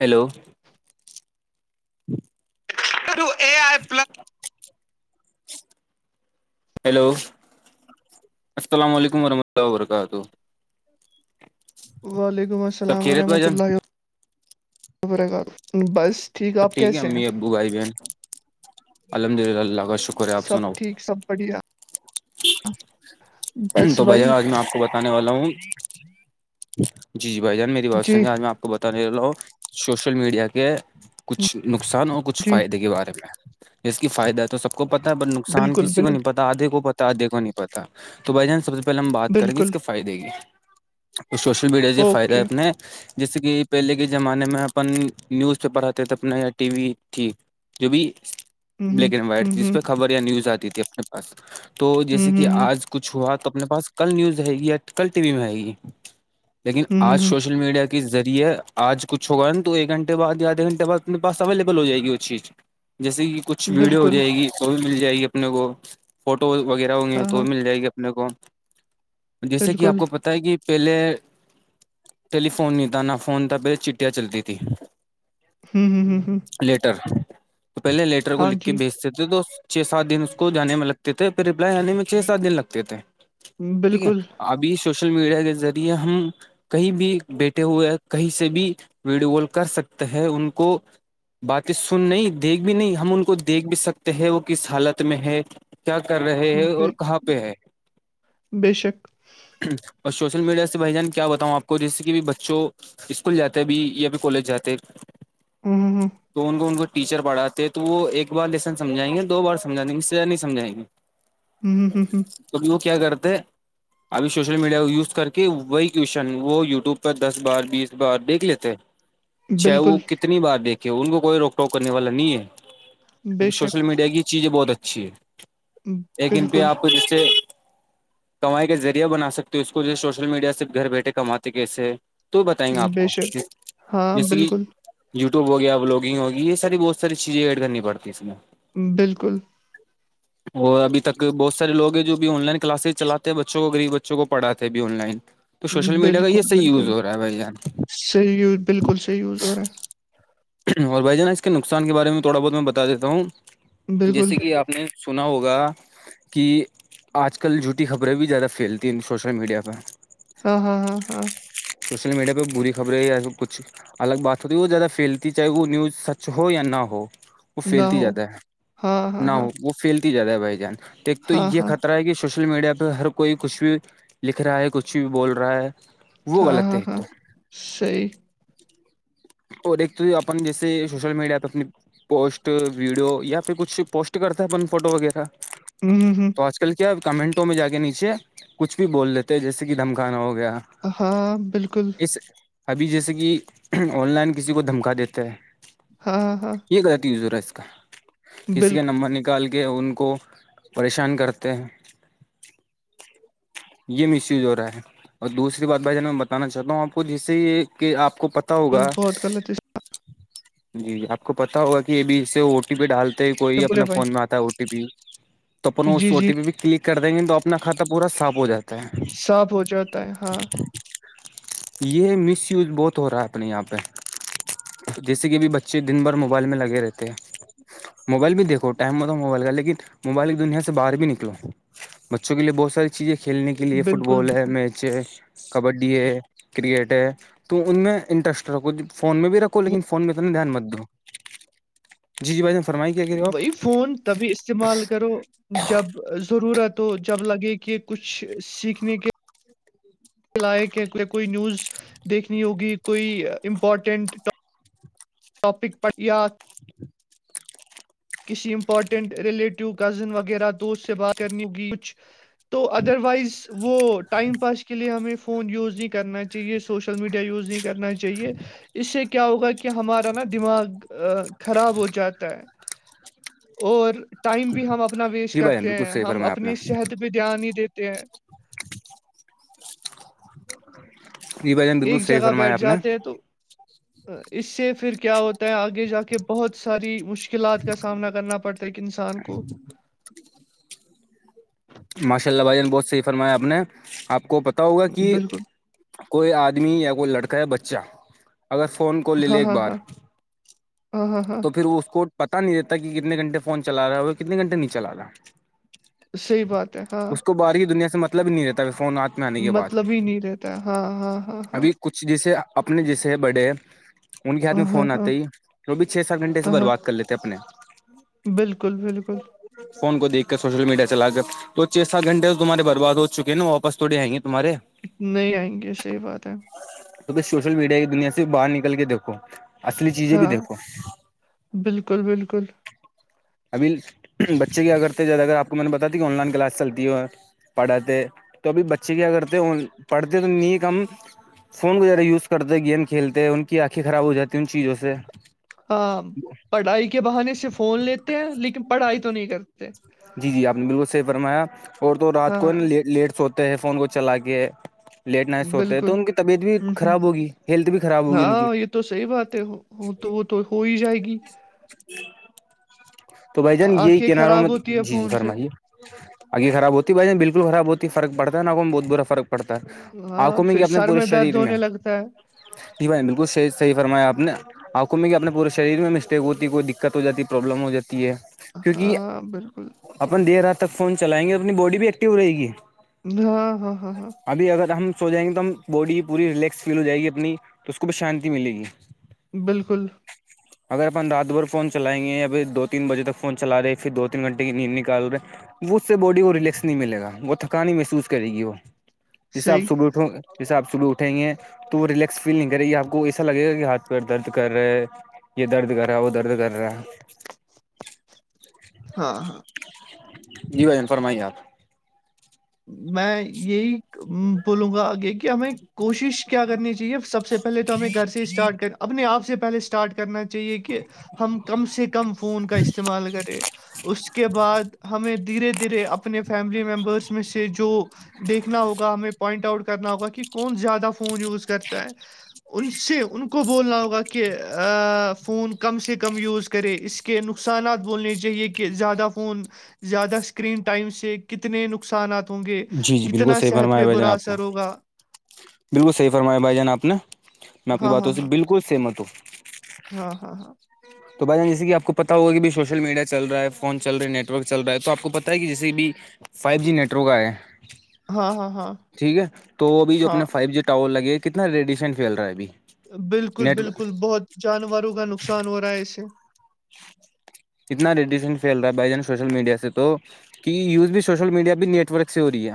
hello ہوں [unintelligible] اے I plus [inaudible] hello السلام علیکم ورحمۃ اللہ وبرکاتہ وعلیکم سب السلام خیریت بھائی ورحمۃ جان اللہ و وبرکاتہ بس سب آپ ٹھیک ہے کیسے ہیں امی ابو بھائی بہن الحمد للہ کا شکر ہے آپ سب سناؤ ٹھیک سب بڑھیا بس تو بجر بھائی آج میں آپ کو بتانے والا ہوں جی جی بائی جان میری بات جی سن رہ آج میں آپ بتانے رہ رہا ہوں سوشل میڈیا کے کچھ نقصان اور کچھ جی فائدے کے بارے میں جس کی فائدہ ہے تو سب کو پتا ہے ب نقصان بالکل کسی کو بالکل نہیں پتا آدھے کو پتا آدے کو نہیں پتا تو بائی چانس سب سے پہلے ہم بات کریں گے اس بالکل کے فائدے کی تو سوشل میڈیا سے یہ فائدہ ہے اوکے اپنے جیسے کہ پہلے کے زمانے میں اپن نیوز پیپر آتے تھے اپنا یا ٹی وی تھی جوبھی [unintelligible] ہوں بلیک اینڈ وائٹ ہوں تھی ج ہوں پہ خبر یا نیوز آتی تھی اپنے پاس تو جیسے ہوں کہ ہوں آج کچ ہوا تو اپنے پاس کل نیوز رہئے گی یا کل ٹی وی میں آئے گی لیکن ہوں ہوں آج سوشل میڈیا کے کےذریعے آج کچھ ہوگا نا تو ایک گھنٹے بعدیا آدے گنٹے بعد اپنے پاس اویلیبل ہو جائے گی وہ چیز جیسے کہ کچھ ہوں ویڈیو ہو بالکل جائے گی تو بھی مل جائے گی اپنے کو فوٹو وغیرہ ہوں گے ہاں تو ہاں مل جائے گی اپنے کو جیسے کہ آپ بالکل کو پتا ہے کہ پہلے ٹیلی فون نہیں تھا نہ فون تھا پہھر چٹیاں چلتی تھی ہوں ہ ہ ہ [inaudible] لیٹر تو پہلے لیٹر کو لکھ کے جی بیچتے تھے تو چھ سات دن اس کو جانے میں لگ تھے پ رپلائی آنے میں چھ سات دن لگتے تھے ٹھیک ہے بالکل ابھی سوشل میڈیا کے ذریعے ہم کہیں بھی بیٹھے ہوئے کہیں سے بھی ویڈیو کال کر سکتے ہیں ان کو باتیں سن نہیں دیکھ بھی نہیں ہم ان کو دیکھ بھی سکتے ہیں وہ کس حالت میں ہے کیا کر رہے ہیں بے اور کہاں پہ ہے بے شک اور سوشل میڈیا سے بھائی جان کیا بتاؤں آپ کو جیسے کہ بھی بچوں اسکول جاتے بھی یا پھر کالج جاتے ہوں ہوں تو ان کو ان کو ٹیچر پڑھاتے تو وہ ایک بار لیسن سمھائیں گے دوارمجھائیںے اس طرح نہیں مجھائیں گے ہمم ہمم ہمم ہمم توبھی وہ کیا کرتے ابھی سوشل میڈیا کو یوز کر کے وہی کوشچن وہ یوٹیوب پر دس بار بیس بار دیکھ لیتے اچ چے وہ بالکل کتنی بار دیکھے ان کو کوئی روک ٹوک کرنے والا نہیں ہے بے دیک سوشل شک میڈیا کی یہ چیزیں بہت اچھی ہے ایک ان بالکل [inaudible] کمائی کے ذریعہ بنا سکتے اس کو جو سوشل میڈیا سے گھر بیٹھے کماتے کیسے تو بتائیں گے آپ بے کو شک ہاں جیسے کہ بالکل یوٹیو ہو گیا بلاگنگ ہوگی یہ ساری بہت ساری چیزیں ایڈ کرنی پڑتی ہیں اسس میں بالکل وہ ابھی تک بہت سارے لگ ہیں جو بھی آن لائن کلاسز چلاتے ہیں بچوں کوغریب بچوں کو پڑاتے ہیں بھی آن لائن تو سوشل میڈیا کا بالکل یہ صی یوز بالکل ہو رہا ہے بھائی جان صحیح وز بالکل صحیح ہووز اور ہے اور بھائی جانا اس کے نقصان کے بارے میں تھوڑا بہت میں بتا دیتا ہوں ہے بالکل جیسے کہ آپ نے سنا ہوگا کہ آج کل جھوٹی خبریں بھی زیادہ پھیلتی ہیں سوشل میڈیا پرہ ہاں ہاں ہاں ہاں سوشل میڈیا پہ بری خبریں یا کچھ الگ بات ہوتی ہے وہ زیادہ فیل چاہے وہ نیوز سچ ہو یا نہ ہو وہ نہ پھیلتی ہو جاتدا ہے ہاں ہاں نہ ہاں ہو وہ فھیلتی جیا رہا ہے بھائی جان ٹیک تو ہاں یہ ہاں خطہ ہے کہ سوشل میڈیا پہ ہر کوئی کچھ بھی لکھ رہا ہے کچھ بھی بول رہا ہے وہ ہاں غلط ہے ہاں ایک ہاں تو صی اور ایک تو اپن جیسے سوشل میڈیا تو اپنی پوسٹ ویڈیو یا پھر کچھ پوسٹ کرتا ہے اپن فوٹو وغیرہ ہمم‌ہمم تو آج کل کیا کمنٹوں میں جا کے نیچے کچھ بھی بول لیتے ہیں جیسے کہ دھمکانہ ہو گیا ہاں بالکل اس ابھی جیسے کہ آن لائن کسی کو دھمکا دیتا ہے ہاں ہاں غلط زرا ہے اس کا کسی کے بالکل نمبر نہیں کیا کال کے ان کو پریشان کرتے ہیں یہ مس یوز ہو رہا ہے اور دوسری بات بھائی جان میں بتانا چاہتا ہوں آپ کو جس سے یہ کہ آپ کو پت ہوگا بہت غلط ہے جی جی آپ کو پتا ہوگا کہ ابھی اس سےٹ پی ڈالتے کوئی بولے اپنے بھائی فون میں آتا ہے او ٹی پی تو اپن جی اس او جی ٹی پی پ کلک کر دیں گے تو اپنا کھاتا پورا صاف ہو جاتا ہے صاف ہو جاتا ہے ہاں یہ مس یوز بہت ہو رہا ہے اپنے یہاں پہ جیسے کہ بھی بچے دن بھر موبائل میں لگے رہتے ہیں موبائل بھی دیکھو ٹائم ہوتا موبائل کا لیکن موبائل کی دنیا سے باہر بھی نکلو بچوں کے لیے بہت ساری چیزیں کھیلنے کے لیے فٹ بالکل بال ہے بالکل میچ بچے کبڈی ہے کرکٹ ہے تو ان میں انٹرسٹ رکھو فون میں بھی رکھو لیکن فون میں انا دھیان مت دو جی جی ب نے فرمائی کیا کرے ہو آپ وہی فون تبھی استعمال کرو جب ضرورت ہو جب لگے کہ کچھ سیکھنے کے لائق کوئی نیوز دیکھنی ہوگی کوئی امپورٹنٹ ٹاپک پ یا کسی امپورٹینٹ ریلیٹیو کزن وغیرہ دوست سے بات کرنی ہوگی کچھ تو ادروائز وہ ٹائم پاس کے لیے ہمیں فون یوز نہیں کرنا چاہیے سوشل میڈیا یوز نہیں کرنا چاہیے اس سے کیا ہوگا کہ ہمارا نا دماغ خراب ہو جاتا ہے اور ٹائم بھی ہم اپنا ویسٹ جی بھائی جان کرتے بالکل ہیں صحیح ہم فرمایا آپ نے اپنی صحت پہ دھیان نہیں دیتے ہیں جی بھائی جان بالکل ایک صحیح جگہ فرمایا بیٹھ آپ نے جاتے ہیں تو اس سے پھر کیا ہوتا ہے آگے جا کے بہت ساری مشل مشکلات کا سامنا کرنا پڑتا ہے ایک انسان کو ماشاء اللہ بھائی جان نے بہت صحیح فرمایا آپ نے آپ کو پتا ہوگا کہ بالکل کوئی آدمی یا کوئی لڑکا یا بچہ اگر فون کال لے لے ہاں ایک ہاں بار ہاں ہاں ہاں ہاں تو پھر وہ اس کو پتا نہیں رہتا کہ کتنے گھنٹے فون چلا رہا ہے اور کتنے گھنٹے نہیں چلا رہا صحیح بات ہے ہاں اس کو باہر کی دنیا سے مطلب ہی نہیں رہتا فون آتا مطلب ہی نہیں رہتا ہے ہاں ہاں ہاں ہاں ابھی کچھ جیسے اپنے جیسے بڑے ہیں ان کے ہاتھ میں ہاں فون ہاں آتے ہی وہ بھی چھ سات گھنٹے سے ہاں ہاں برباد کر لیتے اپنے بالکل بالکل فون کو دیکھ کر سوشل میڈیا چلا کر تو چھ سات گھنٹے تو تمہارے برباد ہو چکے ناپس تھوڑ آئیں گے تمہارے نہیں آئیں گے صحیح بات ہے تو پہ سوشل میڈیا کی دنیا سے باہر نکل کے دیکھو اصلی چیزیں بھی ہاں دیکھو بالکل بالکل ابھی بچے کیا کرتے زیادہ اگر آپ کو میں نے بتا دی کہ آن لائن کلاس چلتی ہو پڑھاتے تو ابھی بچے کیا کرتے پڑھتے تو انی کم فون وغیرہ یوز کرتے گیم کھیلتے ہیں ان کی آنکھیں خراب ہو جاتی ان چیزوں سے ہاں پڑھائی کے بہانے سے فون لیتے ہیں لیکن پڑھائی تو نہیں کرتے جی جی آپ نے بالکل صحیح فرمایا اور تو رات کو ہے ہاں نا لیٹ سوتے ہیں فون کو چلا کے لیٹ نائٹس ہوتے ہیں تو بالکل ان کی طبیعت بھی ہوں ہوں خراب ہوگی ہیلتھ بھی خراب ہوگی ان کی ہاں یہ تو صحی بات ہے وہ تو وہ تو ہو ہی جائے گی تو بھائی جان یہی آنکھیں کناروں خراب میں ہوتی ہے جی فون سے فرمائیے آگ خراب ہوتی ہے بائی ج بالکل خراب ہوتی فرق پڑتا نا بہت بر فرق پڑتا ہے ہاں آنکھوں میں پھر کیا اپنے سر پورے درد شریر میں ہونے لگتا ہے جی بھائی بالکل صح فرمیا آپ نے آپ کو میںے اپنے پورے شریر میں مسٹیک ہوتی کوئی دقت ہو جاتی ہے پروابلم ہو جاتی ہے کیونکہ ہاں بالکل اپن دیر رات تک فون چلائیںے اور اپنی باڈی بھی ایکٹیو رہے گی ہاں ہاں ہاں ہاں ابھی اگر ہم سو جائیں گے تو ہم باڈی پوری ریلیکس فیل ہو جائے گی اپنی تو اس کو بھی شانتی ملے گی بالکل اگر اپن دادا بار فون چلائیں گے ابھی دو تین بجے تک فون چلا رہے پھر دو تین گھنٹ کی نیند نکال رہے وہ اس سے باڈی کو ریلیکس نہیں ملے گا وہ تھکانی محسوس کرے گی وہ جیسے آپ صحیح سب اٹھو جیسے آپ صبح اٹھیں گے تو وہ رییکس فیل نہیں کرے گی آپ کو ایسا لگے گا کہ ہاتھ پ درد کر رہا ہے یہ درد کر رہا وہ درد کر رہا ہاں ہاں جی بجن فرمائیے آپ میں یہی بولوں گاگے ہمیں کوشش کیا کرنی چاہیے سب سے پہلے تو ہمیں گھر سے اسٹارٹ کر اپنے آپ سے پہلے اسٹار اسٹارٹ کرنا چاہیے کہ ہم کم سے کم فون کا استعمال کریں اس کے بعد ہمیں دھیرے دھیرے اپنے فیملی ممبرس میں سے جو دیکھنا ہوگا ہمیں پوائنٹ آؤٹ کرنا ہوگا کہ کون زیادہ فون یوز کرتا ہے ان سے ان کو بولنا ہوگا کہ فون کم سے کم یوز کرے اس کے نقصانات بولنے چاہیے کہ زیادہ فون زیادہ اسکرین ٹائم سے کتنے نق نقصانات ہوں گے جی جی بالکل کتنا صحیح صحت فرمایا پہ بھائی جان برا آپ نے اثر ہوگا بالکل صحیح فرمایا بھائی جان آپ نے میں آپ کی ہاں ہاں باتوں سے بالکل سہمت ہوں ہاں ہاں ہاں تو بھائی جان جیسے کہ آپ کو پتا ہوا کہ بھی سوشل میڈ چ رہ ہے فون چل رہا ہے نٹ ورک چل رہا ہے تو آپ کو پت ہے کہ جسسی بھی فائیو جی نیٹ ورک آئے ہاں ہاں ہاں ہاں ٹھیک ہے تو ابھی جو ہاں اپنے فائیو جی ٹور لگے کتنا ریڈیشن فھیل رہا ہے ابھی بالکل نیٹ بالکل بہت جانوروں کا نقصان ہو رہا ہے اسے اتنا ریڈیشن فھیل رہا ہے بھائی جان سوشل میڈیا سے تو کی یوز بھی سوشل میڈیا بھی نیٹورک سے ہو رہی ہے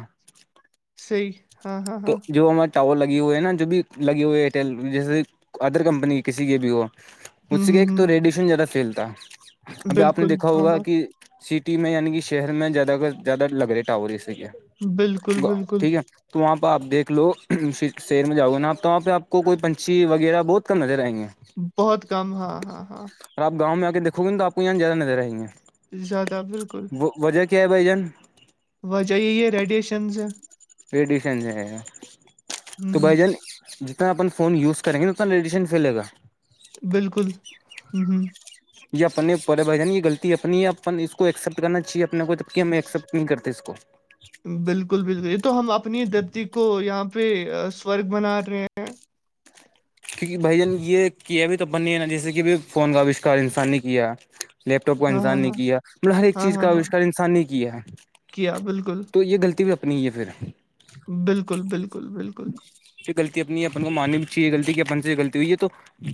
صحیح ہاں ہاں ہاں تو جو ہمار ٹاور لگے ہوئے ہیں نا جو بھی لگے ہوئے ایئرٹیل جیسے ادر کمپنی کسی کے بھی ہو مجھ ہوں سے کہ ہوں ایک ہوں تو ریڈیشن زیادہ فیل تھا ابھی آپ نے بالکل دیکھا ہاں ہوگا ہاں کہ سٹی میں یعنی کہ شہر میں زیادہ کا زیادہ لگ رہے ٹاور اس بالکل بالکل ٹھیک ہے تو وہاں پہ آپ دیکھ لو سیر میں جاؤ گے نا آپ تو وہاں پہ آپ کو کوئی پنچھی وغیرہ بہت کم نظر آئیں گے بہت کم ہاں ہاں ہاں اور آ گاؤں میں آ کےیکھو گے تو آپ کو یہاں جیاہ نظر آیں گے زیادہ بالکل وجہ کیا ہے بھائی جان وجاہ یہ ریڈیشنز رڈیشن سے ہے تو ہے بھائی جان جتنا اپن فون یوز کریں گےا اتنا ریڈیشن فھیلے گا بالکل ہ ہ جی اپنے پرے بھائی جانی یہ غطی اپنی ہے اپ ایکسیپٹ کرنا چاہیے اپنے کو تب کہ ہم ایکسیپٹ نہیں کرتے اس کو بالکل بالکل یہ تو ہم اپنی دھرتی کو یہاں پہ سرگ بنا رہے ہیں کیونکہ بھائی جان یہ کیا بھی تو بننے ہے نا جیسے کہ فون کا آوشکار انسان نے کیا لیپٹاپ کا ہاں ہاں انسان نے ہاں کیا مطلب ہر ایک ہاں چیز ہاں کا ہاں، اوشار انسان نے کیا ہے بالکل یہ لطیپ اپنی ہے پھر بالکل بالکل بالکل پھر غطی اپنی اپن کو منی بھی چاہے غلی کہ پن سے غلطی ہوئی ہے تو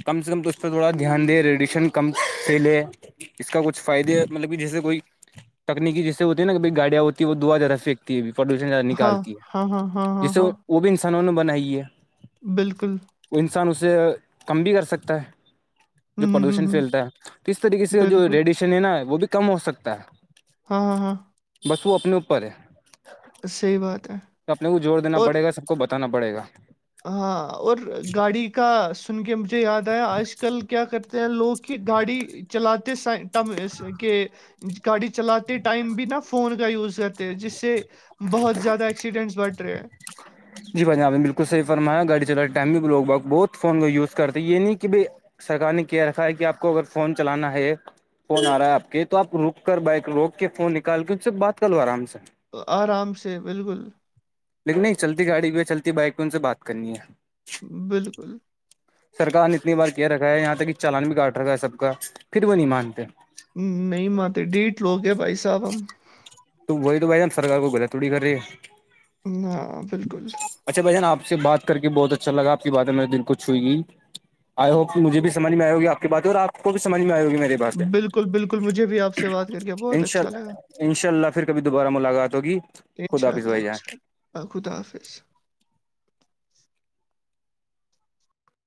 کم سے کم تو اس پہ تھوڑا دھیان دے ریڈیشن کم سے لے اس کا کچھ فائدے مطلب کہ جیسے کوئی تکنیکی جیسے ہوتی ہے نا کہئی گاڑیاں ہوتی ہے وہ دا جرف سے پردوشن زیادہ ہاں نکالتی ہاں ہاں ہاں ہے ہاں جسے ہاں وہ بھی انسانوں نے بنائی ہے بالکل وہ انسان اسے کم بھی کر سکتا ہے جو ہوں ہوں ہوں پردوشن ہوں، پھیلتا ہے تو اس طریقے سے جو بالکل ریڈیشن ہے نا وہ بھی کم ہو سکتا ہے ہاں ہاں ہاں بس وہ اپنے اوپر ہے صحیح بات ہے تو اپنے کو جوور دا اور پڑے گا سب کو بتاناڑے گا ہاں اور گاڑی کا سن کے مجھے یاد آیا آج کل کیا کرتے ہیں لوگ کی گاڑی چلاتے سٹم کے گاڑی چلاتے ٹائم بھی نا فون کا یوز کرتے ہیں جس سے بہت زیادہ ایکسیڈنٹس بٹھ رہے ہیں جی بھائی آپ نے بالکلحیح فرما گاڑیلانے ٹائم بھی لوگ بہت فون کا یوز کرتے ہیں یہ نہیں کہ بائی سرکار نے کہہ رکھا ہے کہ آپ کو اگر فون چلانا ہے فون آ رہا ہے آپ کے تو آپ رک کر بائک روک کے فون نکال کے اس سے بات کر لو آرام سے آرام سے بالکل لیکن نہیں چلتی گاڑی کی چلتی بائک پ ان سے بات کرنی ہے بالکل سرک نے اتنی بار کہہ رکھا ہے یہاں تک کہ چالان بھی کاٹ رہا ہے سب کا پھر وہ نہیں مانتے نہیں ماتات ڈیھ لوگ ہے بھائی صاحب ہم ہم تو وہی تو بھائی ج سرار کو گلا تھوڑی کر رہی ہے ہاں بالکل اچھا بائی جان آ سے بات کر کے بہت اچھا لگاپ کی باتیں میرے دل کو چھوئیی آئی ہوپ مجھ بھی سمجھ میں آئے گی آ کی بات اور آپ کو بھیمجھ میں آئے گی میرے بات ہے بالکل بالکل مجھے بھی آپ سے بات کر کے بہت ان اچھا لگا شاءلہ ان شاء اللہ کبھی دوبارہ ملاقات ہوگی خود آپس بائی جائیں آخود حافظ